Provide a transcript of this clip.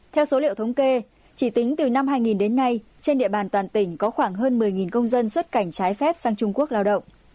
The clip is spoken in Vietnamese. theo số liệu thống kê chỉ tính từ năm hai nghìn đến nay trên địa bàn toàn tỉnh có khoảng hơn một mươi công dân xuất cảnh trái phép sang trung quốc lao động